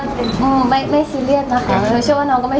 ดูแบบนั้นสุดที่เป็นของเราเหมือนกัน